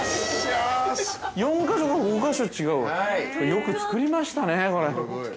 ◆よく作りましたね、これ。